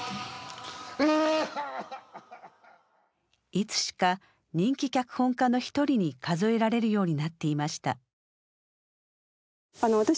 いつしか人気脚本家の一人に数えられるようになっていました。